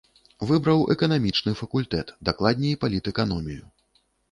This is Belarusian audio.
Выбраў эканамічны факультэт, дакладней палітэканомію.